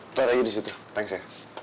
itu ada lagi disitu thanks ya